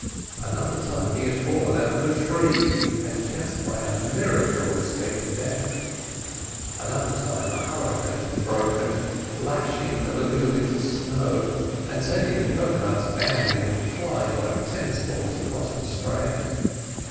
Another time he had fallen out of a tree, and just by a miracle escaped death. Another time a hurricane had broken, lashing the lagoon into snow, and sending the cocoa nuts bounding and flying like tennis balls across the strand.